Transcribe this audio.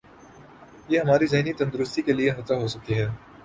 یہ ہماری ذہنی تندرستی کے لئے خطرہ ہوسکتی ہے